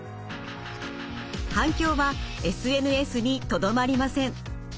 反響はＳＮＳにとどまりません。